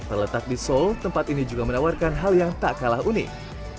terletak di seoul tempat ini juga menawarkan hal yang tak kalah unik